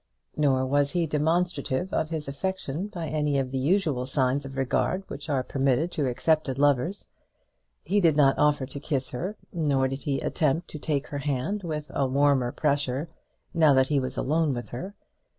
Nor was he demonstrative of his affection by any of the usual signs of regard which are permitted to accepted lovers. He did not offer to kiss her, nor did he attempt to take her hand with a warmer pressure now that he was alone with her.